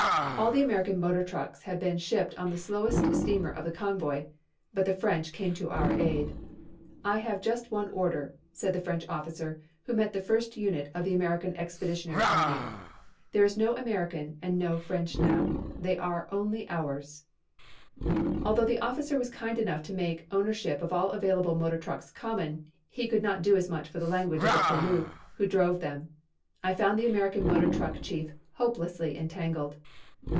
All the American motor trucks had been shipped on the slowest steamer of the convoy but the French came to our aid. "I have just one order," said the French officer, who met the first unit of the American Expeditionary Army, "there is no American and no French now. There is only ours." Although the officer was kind enough to make ownership of all available motor trucks common, he could not do as much for the language of the poilus who drove them. I found the American motor truck chief hopelessly entangled.